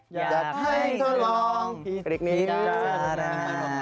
จะให้เธอลองพริกนิดหนึ่ง